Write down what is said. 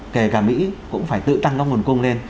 kể cả mỹ cũng phải tự tăng các nguồn cung lên